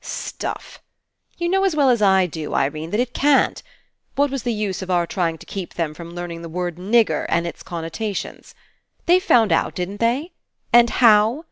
"Stuff ! You know as well as I do, Irene, that It can't. What was the use of our trying to keep them from learning the word 'nigger' and its connotation? They found out, didn't they? And how?